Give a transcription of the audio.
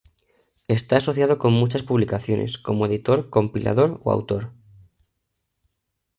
Está asociado con muchas publicaciones, como editor, compilador o autor.